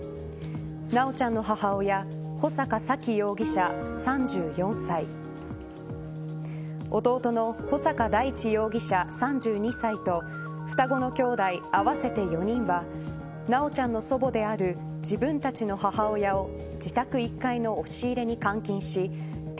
修ちゃんの母親保坂沙希疑者、３４歳弟の穂坂大地容疑者、３２歳と双子のきょうだい合わせて４人は修ちゃんの祖母である自分たちの母親を自宅１階の押し入れに監禁し鉄